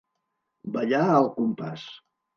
Ballar al compàs.